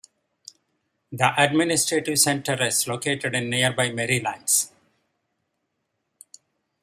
The administrative centre is located in nearby Merrylands.